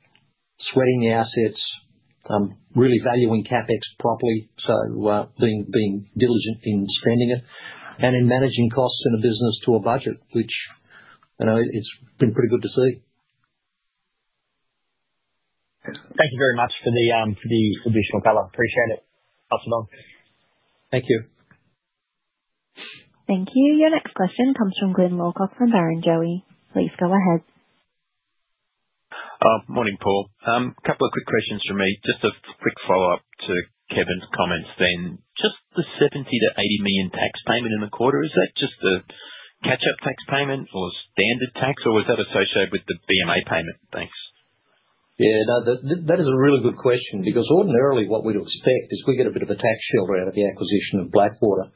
sweating the assets, really valuing CapEx properly, so being diligent in spending it, and in managing costs in a business to a budget, which it's been pretty good to see. Thank you very much for the additional color. Appreciate it. Pass it on. Thank you. Thank you. Your next question comes from Glynn Lawcock from Barrenjoey. Please go ahead. Morning, Paul. A couple of quick questions for me. Just a quick follow-up to Kevin's comments then. Just the 70 million-80 million tax payment in the quarter, is that just a catch-up tax payment or standard tax, or is that associated with the BMA payment? Thanks. Yeah. No, that is a really good question because ordinarily, what we'd expect is we get a bit of a tax shield around the acquisition of Blackwater,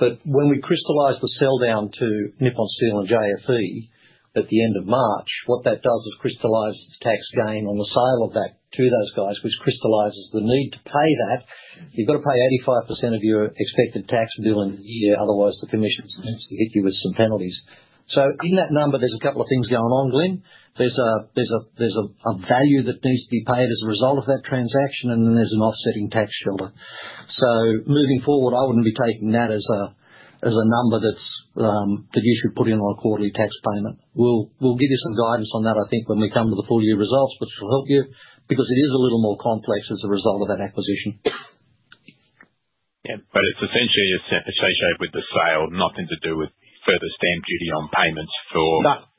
but when we crystallize the sell down to Nippon Steel and JFE at the end of March, what that does is crystallize the tax gain on the sale of that to those guys, which crystallizes the need to pay that. You've got to pay 85% of your expected tax bill in a year, otherwise the commission tends to hit you with some penalties, so in that number, there's a couple of things going on, Glynn. There's a value that needs to be paid as a result of that transaction, and then there's an offsetting tax shield, so moving forward, I wouldn't be taking that as a number that you should put in on a quarterly tax payment. We'll give you some guidance on that, I think, when we come to the full year results, which will help you because it is a little more complex as a result of that acquisition. Yeah. But it's essentially associated with the sale, nothing to do with further stamp duty on payments for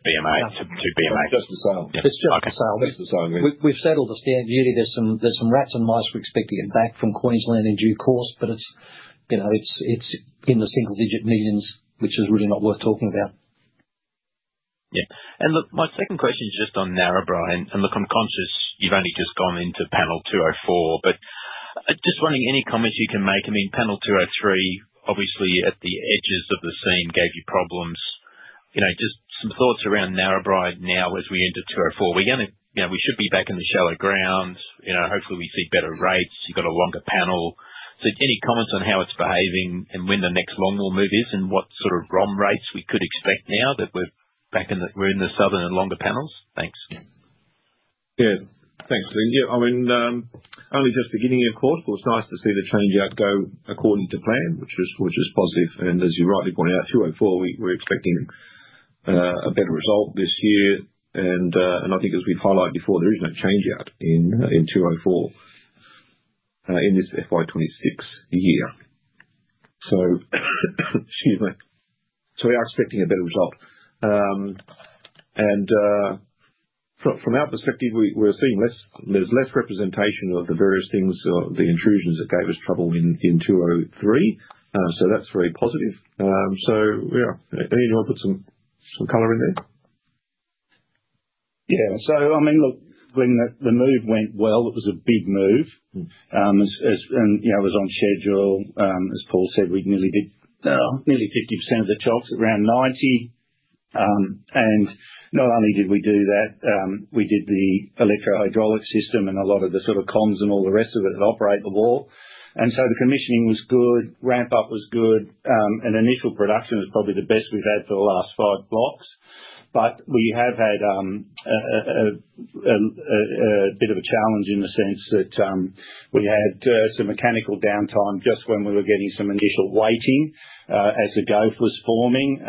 BMA to be made. No, it's just the sale. It's just the sale. It's just the sale. We've settled the stamp duty. There's some rats and mice we expect to get back from Queensland in due course, but it's in the single-digit millions, which is really not worth talking about. Yeah. And my second question is just on Narrabri, and look, I'm conscious you've only just gone into Panel 204, but just wondering any comments you can make. I mean, Panel 203, obviously, at the edges of the seam gave you problems. Just some thoughts around Narrabri now as we enter 204. We should be back in the shallow ground. Hopefully, we see better rates. You've got a longer panel. So any comments on how it's behaving and when the next longwall move is and what sort of ROM rates we could expect now that we're back in the southern and longer panels? Thanks. Yeah. Thanks, Glynn. I mean, only just beginning of quarter, but it's nice to see the changeout go according to plan, which is positive. And as you rightly point out, 204, we're expecting a better result this year. And I think, as we've highlighted before, there is no changeout in 204 in this FY 2026 year. So excuse me. So we are expecting a better result. And from our perspective, there's less representation of the various things, the intrusions that gave us trouble in 203. So that's very positive. So yeah, anyone put some color in there? Yeah. So I mean, look, Glynn, the move went well. It was a big move. And it was on schedule. As Paul said, we nearly did nearly 50% of the chocks, around 90. And not only did we do that, we did the electrohydraulic system and a lot of the sort of comms and all the rest of it that operate the wall. And so the commissioning was good. Ramp-up was good. And initial production is probably the best we've had for the last five blocks. But we have had a bit of a challenge in the sense that we had some mechanical downtime just when we were getting some initial weighting as the goaf was forming.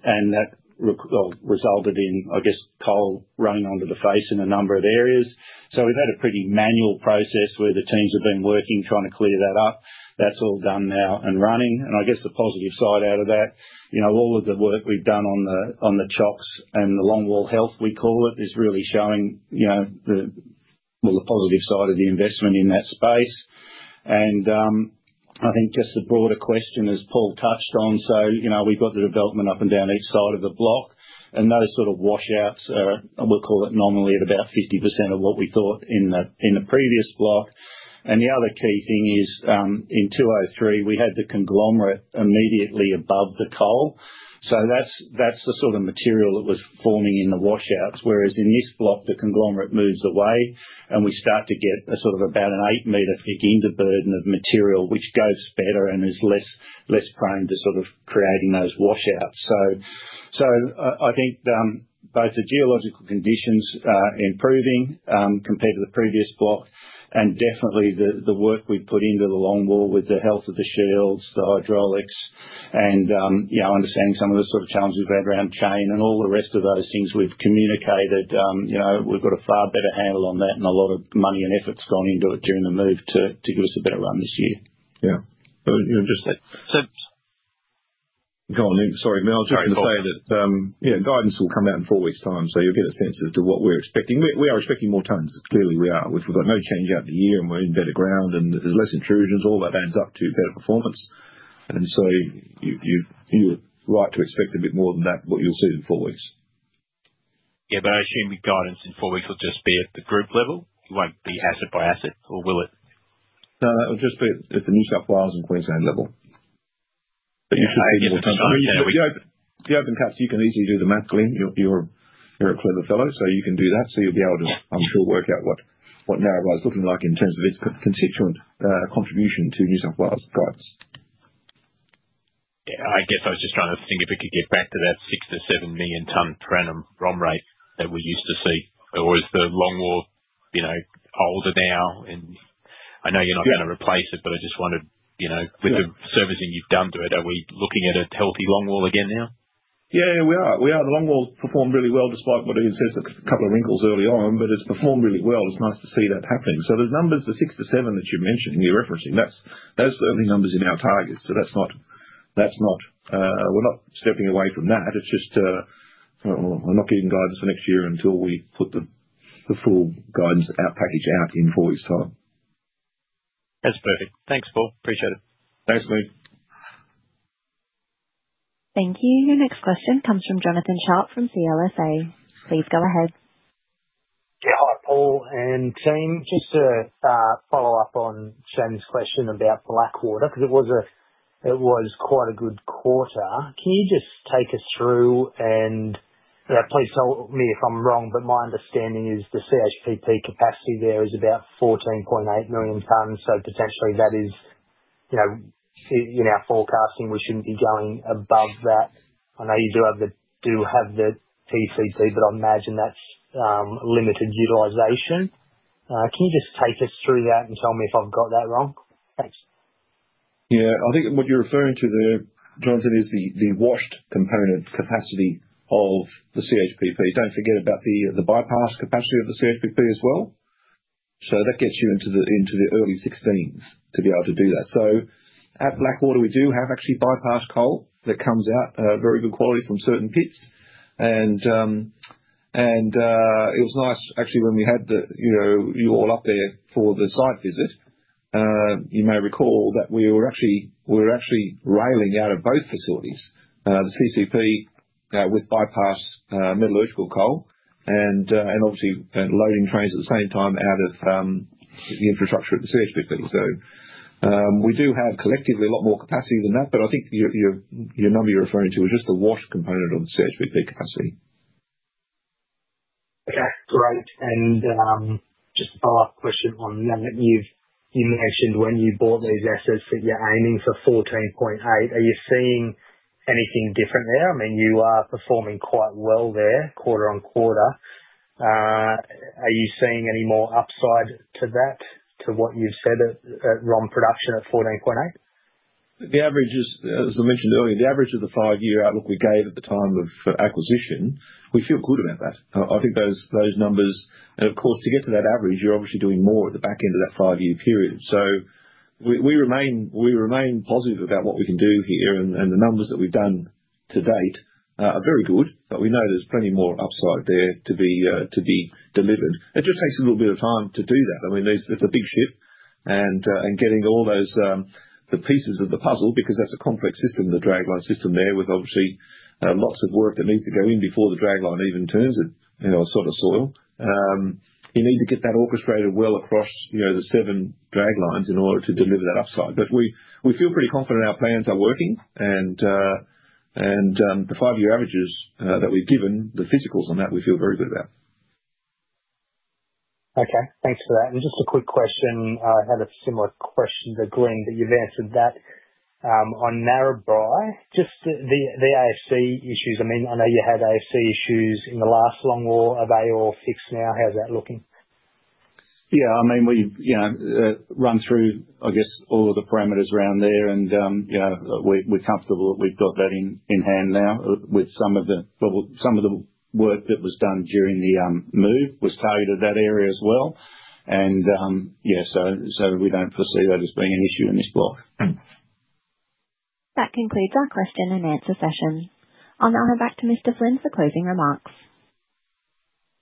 And that resulted in, I guess, coal running onto the face in a number of areas. So we've had a pretty manual process where the teams have been working trying to clear that up. That's all done now and running. And I guess the positive side out of that, all of the work we've done on the chocks and the longwall health, we call it, is really showing the positive side of the investment in that space. And I think just the broader question, as Paul touched on, so we've got the development up and down each side of the block. And those sort of washouts are, we'll call it nominal, about 50% of what we thought in the previous block. And the other key thing is, in 203, we had the conglomerate immediately above the coal. So that's the sort of material that was forming in the washouts. Whereas in this block, the conglomerate moves away, and we start to get a sort of about an eight-meter thick interburden of material, which goes better and is less prone to sort of creating those washouts. So I think both the geological conditions are improving compared to the previous block. And definitely, the work we've put into the longwall with the health of the shields, the hydraulics, and understanding some of the sort of challenges we've had around chain and all the rest of those things we've communicated, we've got a far better handle on that. And a lot of money and effort's gone into it during the move to give us a better run this year. Yeah. So just. So. Go on, Ian. Sorry. I'm just going to say that guidance will come out in four weeks' time. So you'll get a sense as to what we're expecting. We are expecting more tons. Clearly, we are. We've got no change out of the year, and we're in better ground, and there's less intrusions. All that adds up to better performance. And so you're right to expect a bit more than that, what you'll see in four weeks. Yeah. But I assume guidance in four weeks will just be at the group level. It won't be asset by asset, or will it? No, that will just be at the New South Wales and Queensland level, but you should see more tons out of the area. The open cuts, you can easily do the math, Glynn. You're a clever fellow, so you can do that, so you'll be able to, I'm sure, work out what Narrabri is looking like in terms of its constituent contribution to New South Wales guidance. I guess I was just trying to think if we could get back to that six to seven million-tonne per annum ROM rate that we used to see. Or is the longwall older now, and I know you're not going to replace it, but I just wondered, with the servicing you've done to it, are we looking at a healthy longwall again now? Yeah, we are. We are. The longwall performed really well despite what he said, a couple of wrinkles early on, but it's performed really well. It's nice to see that happening. So the numbers, the six to seven that you're mentioning, you're referencing, those are the numbers in our targets. So that's not. We're not stepping away from that. It's just we're not getting guidance for next year until we put the full guidance package out in four weeks' time. That's perfect. Thanks, Paul. Appreciate it. Thanks, Glynn. Thank you. Your next question comes from Jonathon Sharp from CLSA. Please go ahead. Yeah. Hi, Paul and team. Just to follow up on Chen's question about Blackwater, because it was quite a good quarter. Can you just take us through and please tell me if I'm wrong, but my understanding is the CHPP capacity there is about 14.8 million tons. So potentially, that is in our forecasting, we shouldn't be going above that. I know you do have the TCP, but I imagine that's limited utilization. Can you just take us through that and tell me if I've got that wrong? Thanks. Yeah. I think what you're referring to there, Jonathon, is the washed component capacity of the CHPP. Don't forget about the bypass capacity of the CHPP as well. So that gets you into the early 16s to be able to do that. So at Blackwater, we do have actually bypass coal that comes out very good quality from certain pits. And it was nice, actually, when we had you all up there for the site visit. You may recall that we were actually railing out of both facilities, the CHPP with bypass metallurgical coal and obviously loading trains at the same time out of the infrastructure at the CHPP. So we do have collectively a lot more capacity than that, but I think the number you're referring to is just the washed component of the CHPP capacity. Okay. Great. And just a follow-up question on that. You mentioned when you bought these assets that you're aiming for 14.8. Are you seeing anything different there? I mean, you are performing quite well there quarter on quarter. Are you seeing any more upside to that, to what you've said at ROM production at 14.8? As I mentioned earlier, the average of the five-year outlook we gave at the time of acquisition, we feel good about that. I think those numbers and of course, to get to that average, you're obviously doing more at the back end of that five-year period. So we remain positive about what we can do here. And the numbers that we've done to date are very good, but we know there's plenty more upside there to be delivered. It just takes a little bit of time to do that. I mean, it's a big ship. And getting all the pieces of the puzzle, because that's a complex system, the dragline system there, with obviously lots of work that needs to go in before the dragline even turns a sort of soil. You need to get that orchestrated well across the seven drag lines in order to deliver that upside. But we feel pretty confident our plans are working. And the five-year averages that we've given, the physicals on that, we feel very good about. Okay. Thanks for that. And just a quick question. I had a similar question to Glynn, but you've answered that. On Narrabri, just the AFC issues, I mean, I know you had AFC issues in the last longwall. Are they all fixed now? How's that looking? Yeah. I mean, we've run through, I guess, all of the parameters around there. And we're comfortable that we've got that in hand now, with some of the work that was done during the move was targeted that area as well. And yeah, so we don't foresee that as being an issue in this block. That concludes our question and answer session. I'll now hand back to Mr. Flynn for closing remarks.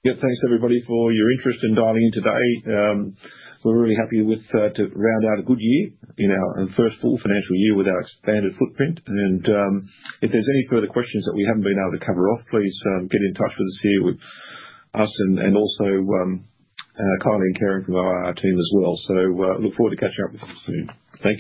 Yeah. Thanks, everybody, for your interest in dialing in today. We're really happy to round out a good year and first full financial year with our expanded footprint. And if there's any further questions that we haven't been able to cover off, please get in touch with us here and also Kylie and Keryn from our team as well. So look forward to catching up with you soon. Thank you.